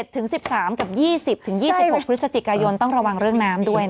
ถึง๑๓กับ๒๐๒๖พฤศจิกายนต้องระวังเรื่องน้ำด้วย